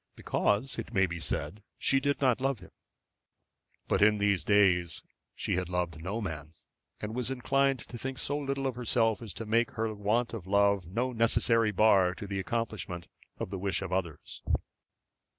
Because, it may be said, she did not love him. But in these days she had loved no man, and was inclined to think so little of herself as to make her want of love no necessary bar to the accomplishment of the wish of others.